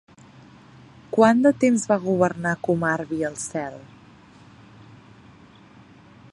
Quant de temps va governar Kumarbi el cel?